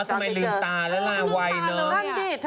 ทำไมลืมตาแล้วล่ะไวเลย